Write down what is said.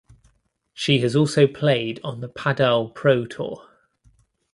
She has also played on the Padel Pro Tour.